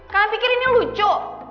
karena pikir ini lucu